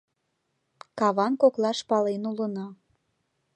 Каван коклаш пален улына.